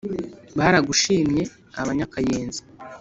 baragushimye abanyakayenzi.